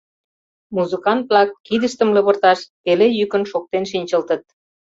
Музыкант-влак, кидыштым лывырташ, пеле йӱкын шоктен шинчылтыт.